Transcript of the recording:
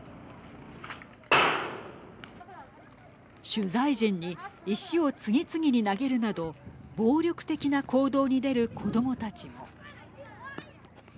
取材陣に石を次々に投げるなど暴力的な行動に出る子どもたちも。